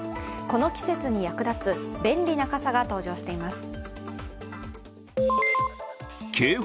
この季節に役立つ便利な傘が登場しています。